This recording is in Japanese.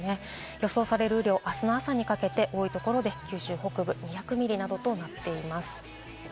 予想される雨量、あすの朝にかけて多いところで九州北部２００ミリなどとなっています。